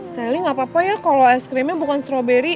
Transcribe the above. sally gak apa apa ya kalo ice creamnya bukan strawberry